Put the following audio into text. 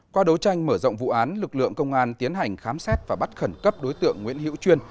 qua đấu tranh mở rộng vụ án lực lượng công an tiến hành khám xét và bắt khẩn cấp đối tượng nguyễn hiễu chuyên